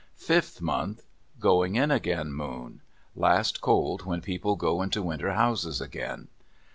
Fifth month.—"Going in again" moon. Last cold when people go into winter houses again.